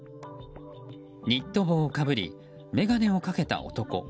ニット帽をかぶり眼鏡をかけた男。